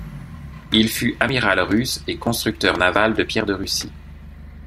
Il fut Amiral russe et constructeur naval de Pierre de Russie.